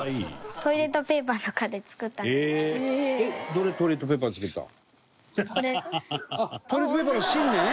トイレットペーパーの芯ね。